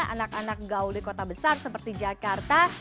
anak anak gaul di kota besar seperti jakarta